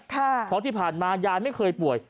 เพราะที่ผ่านมายายไม่เคยป่วย